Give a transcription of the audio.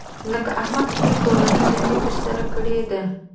لکه احمد خپله کورنۍ دنده تر سره کړې ده.